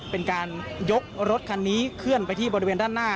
เป็นการยกรถคันนี้เคลื่อนไปที่บริเวณด้านหน้า